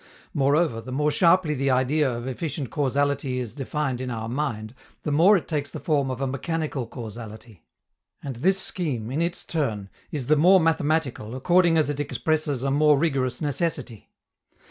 Moreover, the more sharply the idea of efficient causality is defined in our mind, the more it takes the form of a mechanical causality. And this scheme, in its turn, is the more mathematical according as it expresses a more rigorous necessity.